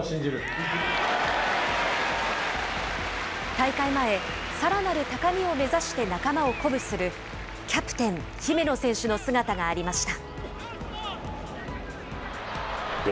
大会前、さらなる高みを目指して仲間を鼓舞する、キャプテン、姫野選手の姿がありました。